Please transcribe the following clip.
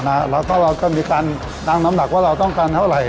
แล้วก็เราก็มีการตั้งน้ำหนักว่าเราต้องการเท่าไหร่